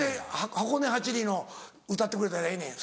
『箱根八里の』歌ってくれたらええねや。